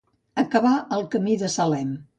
Acabar al camí de Salem.